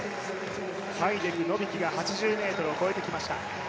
ファイデク、ノビキが８０ｍを超えてきました。